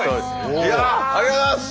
いやあありがとうございます！